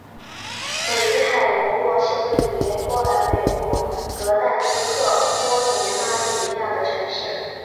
韦伊海罗沃是位于波兰北部格但斯克波美拉尼亚的城市。